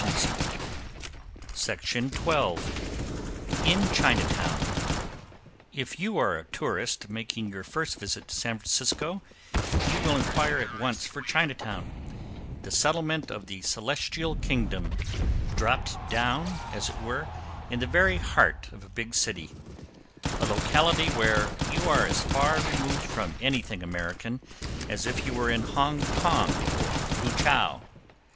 IN CHINA TOWN If you are a tourist, making your first visit to San Francisco, you will inquire at once for Chinatown, the settlement of the Celestial Kingdom, dropped down, as it were, in the very heart of a big city; a locality where you are as far removed from anything American as if you were in Hongkong or Foochow.